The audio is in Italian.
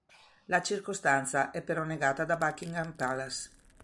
La circostanza è però negata da Buckingham Palace.